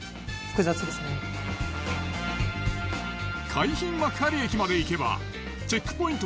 海浜幕張駅まで行けばチェックポイント